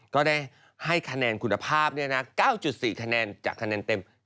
ก็ได้ให้คะแนนคุณภาพ๙๔คะแนนจากคะแนนเต็ม